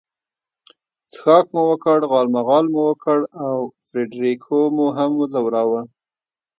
څښاک مو وکړ، غالمغال مو وکړ او فرېډریکو مو هم وځوراوه.